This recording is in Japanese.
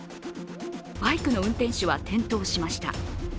バイクの運転手は転倒しました。